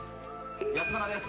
安村です。